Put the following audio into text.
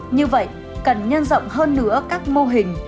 như vậy cần nhân rộng hơn nữa các mô hình